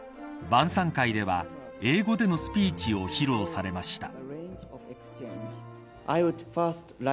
晩さん会では英語でのスピーチを披露されました。